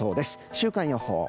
週間予報。